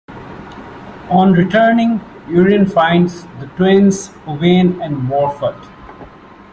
On returning, Urien finds the twins Owain and Morfudd.